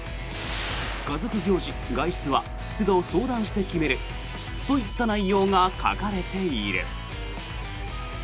家族行事・外出はつど相談して決めるといった内容が書かれている。